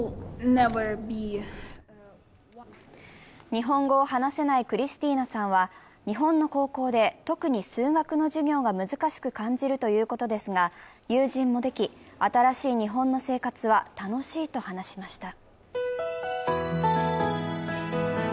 日本語を話せないクリスティーナさんは日本の高校で特に数学の授業が難しく感じるということですが、友人もでき、新しい日本の生活は楽しいと話しました。